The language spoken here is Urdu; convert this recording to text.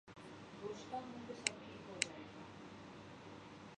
گلاب اور چنبیلی کے پھولوں کا نام ہم بچپن سے سنتے آ رہے ہیں